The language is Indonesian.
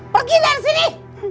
pergi dari sini